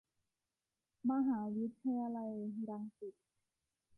มหาวิทยาลัยรังสิต